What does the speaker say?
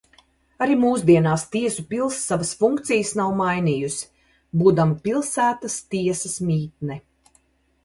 Arī mūsdienās tiesu pils savas funkcijas nav mainījusi, būdama pilsētas tiesas mītne.